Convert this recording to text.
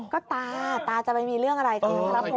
ก็ตาตาจะไปมีเรื่องอะไรกับพฤติกรรม